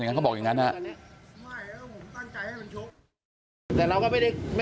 มันใส่แหวนก็คุยกันเพื่อวันนี้ก้าวไปสาม